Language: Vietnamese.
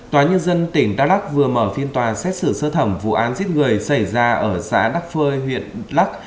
tòa nhân dân tỉnh đắk lắc vừa mở phiên tòa xét xử sơ thẩm vụ án giết người xảy ra ở xã đắc phơi huyện lắc